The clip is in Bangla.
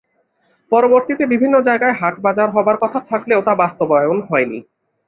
পরবর্তিতে বিভিন্ন জায়গায় হাট বাজার হবার কথা থাকলেও তা বাস্তবায়ন হায়নি।